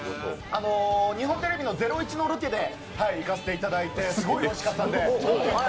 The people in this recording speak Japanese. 日本テレビ「ゼロイチ」のロケで行かせていただいてすごいおいしかったんで。